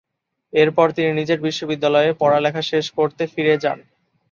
এরপর তিনি নিজের বিশ্ববিদ্যালয়ে পড়ালেখা শেষ করতে ফিরে যান।